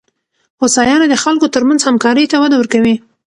هوساینه د خلکو ترمنځ همکارۍ ته وده ورکوي.